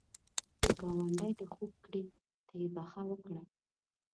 که ګاونډی دی خوږ کړي، ته یې بخښه وکړه